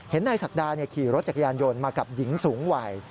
นายศักดาขี่รถจักรยานยนต์มากับหญิงสูงวัย